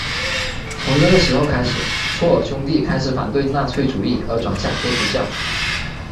从这个时候开始朔尔兄妹开始反对纳粹主义而转向天主教。